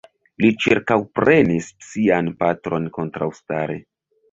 Li ĉirkaŭprenis sian patron kontraŭstare.